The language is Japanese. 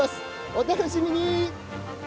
お楽しみに！